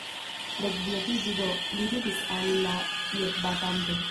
Rekvietiĝu do! li diris al la piedbatanto.